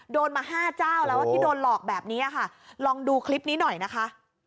โดนมา๕เจ้าแล้วที่โดนหลอกแบบนี้ค่ะลองดูคลิปนี้หน่อยนะคะ